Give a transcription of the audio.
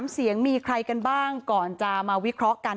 ๓เสียงมีใครกันบ้างก่อนจะมาวิเคราะห์กัน